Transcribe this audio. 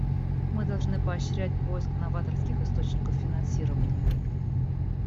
Мы должны поощрять поиск новаторских источников финансирования.